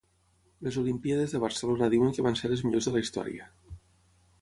Les olimpíades de Barcelona diuen que van ser les millors de la Història